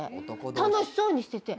楽しそうにしてて。